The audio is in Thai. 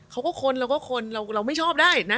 คนเราก็คนเราไม่ชอบได้นะ